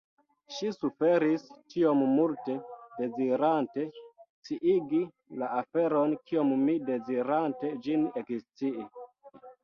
Ŝi suferis tiom multe dezirante sciigi la aferon kiom mi dezirante ĝin ekscii.